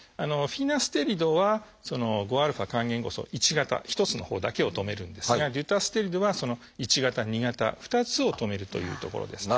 フィナステリドは５α還元酵素Ⅰ型一つのほうだけを止めるんですがデュタステリドはⅠ型Ⅱ型２つを止めるというところですね。